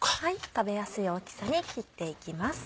食べやすい大きさに切っていきます。